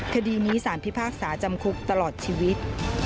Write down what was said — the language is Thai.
คดีนี้สารพิพากษาจำคุกตลอดชีวิต